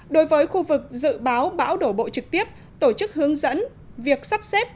đối với khu vực dự báo bão đổ bộ trực tiếp tổ chức hướng dẫn việc sắp xếp